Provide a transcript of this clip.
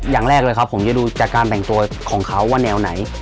อย่างแรกเลยครับผมจะดูจากการแต่งตัวของเขาว่าแนวไหน